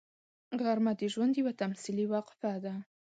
غرمه د ژوند یوه تمثیلي وقفه ده